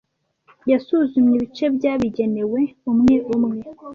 Yasuzumye ibice byabigenewe umwe umwe.